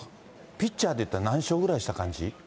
ピッチャーで言ったら何勝ぐらいした感じ？